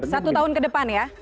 satu tahun ke depan ya